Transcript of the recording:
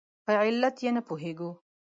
په علت یې نه پوهېږو.